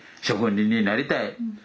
職人になりたい。